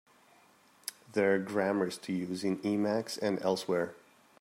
There are grammars to use in Emacs and elsewhere.